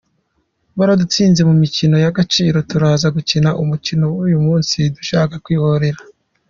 Baradutsinze mu mikino y’Agaciro turaza gukina umukino w’uyu munsi dushaka kwihorera.